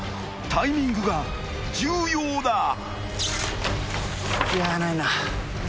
［タイミングが重要だ］